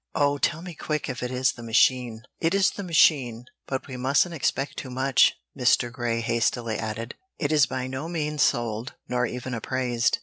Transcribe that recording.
"Oh, tell me quick if it is the machine." "It is the machine. But we mustn't expect too much," Mr. Grey hastily added. "It is by no means sold, nor even appraised.